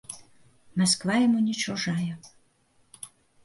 Масква яму не чужая.